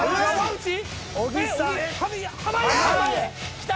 きた！